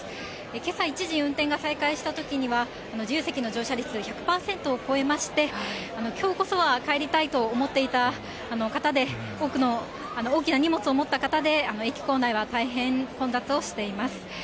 けさ一時、運転が再開したときには、自由席の乗車率１００％を超えまして、きょうこそは帰りたいと思っていた方で大きな荷物を持った方で、駅構内は大変混雑をしています。